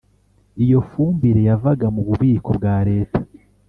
Iyo fumbire yavaga mu bubiko bwa reta